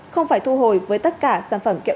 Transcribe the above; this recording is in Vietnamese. không phải thu hồi với tất cả sản phẩm kẹo